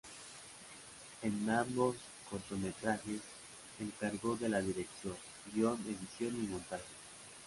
En ambos cortometrajes se encargó de la dirección, guion, edición y montaje.